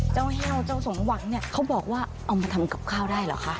แห้วเจ้าสมหวังเนี่ยเขาบอกว่าเอามาทำกับข้าวได้เหรอคะ